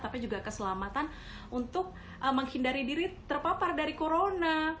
tapi juga keselamatan untuk menghindari diri terpapar dari corona